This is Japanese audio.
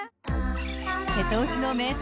瀬戸内の名産